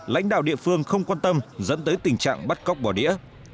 lãnh đạo địa phương không quan tâm dẫn tới tình trạng bắt cóc bỏ đĩa